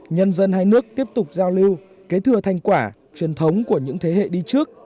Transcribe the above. nhân dân hai nước tiếp tục giao lưu kế thừa thành quả truyền thống của những thế hệ đi trước